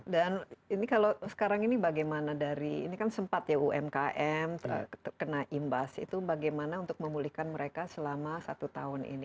dan ini kalau sekarang ini bagaimana dari ini kan sempat ya umkm kena imbas itu bagaimana untuk memulihkan mereka selama satu tahun ini